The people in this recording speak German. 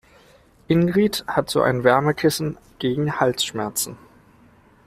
Ingrid hat so ein Wärmekissen gegen Halsschmerzen.